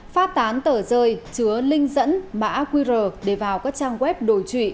phát tán tờ rơi chứa linh dẫn mã qr để vào các trang web đổi trụy